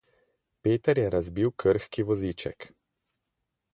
Peter je razbil krhki voziček.